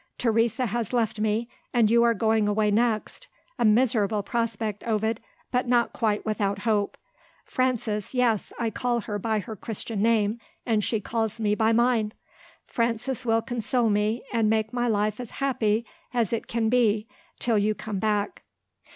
Teresa has left me; and you are going away next. A miserable prospect, Ovid, but not quite without hope. Frances yes, I call her by her Christian name, and she calls me by mine! Frances will console me, and make my life as happy as it can be till you come back."